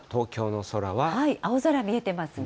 青空、見えてますね。